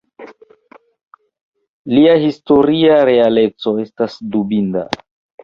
Lia historia realeco estas dubinda.